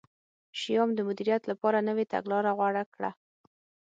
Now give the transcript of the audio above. شیام د مدیریت لپاره نوې تګلاره غوره کړه.